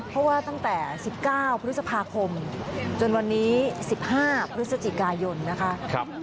เพราะว่าตั้งแต่๑๙พฤษภาคมจนวันนี้๑๕พฤศจิกายนนะคะ